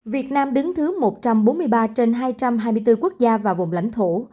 việt nam đứng thứ một trăm bốn mươi ba trên hai trăm hai mươi bốn quốc gia và vùng lãnh thổ